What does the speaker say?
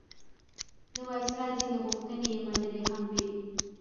د وایسرا ځینې غوښتنې یې منلي هم وې.